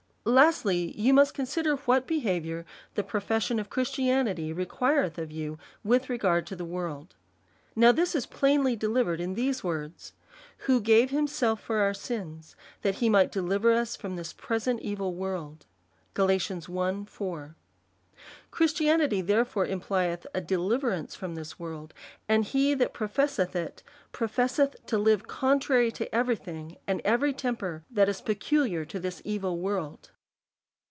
Lastly, you must consider what behaviour the pro fession of Christianity requireth of you, with regard to the world : Now this is plainly delivered in these words ; Who gave himself for our sins, that he might deliver us from this present evil world. Gal. i. 4. Christianity, therefore, implieth adeliverance from this world ; and he that professeth it, professeth to live contrary to every thing and every temper that is peculiar to this evil world.